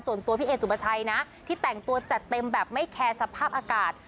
ส่วนตัวพี่เอสุปชัยนะที่แต่งตัวจัดเต็มแบบไม่แคร์สภาพอากาศ